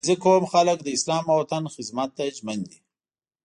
• د علیزي قوم خلک د اسلام او وطن خدمت ته ژمن دي.